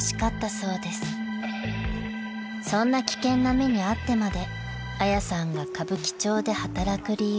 ［そんな危険な目に遭ってまであやさんが歌舞伎町で働く理由］